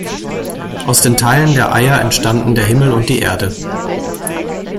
Aus den Teilen der Eier entstanden der Himmel und die Erde.